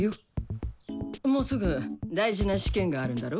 もうすぐ大事な試験があるんだろ？